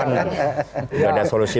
nggak ada solusi